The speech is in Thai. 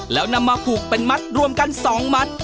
แล้วนำมาผูกเป็นมัดรวมกัน๒มัด